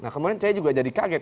nah kemudian saya juga jadi kaget